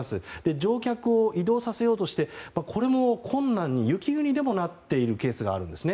乗客を移動させようとしてこれも困難に雪国でもなっているケースがあるんですね。